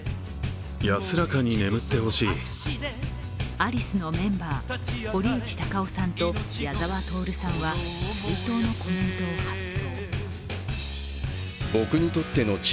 アリスのメンバー、堀内孝雄さんと矢沢透さんは追悼のコメントを発表。